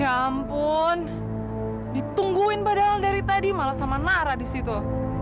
ya ampun ditungguin padahal dari tadi malah sama marah di situ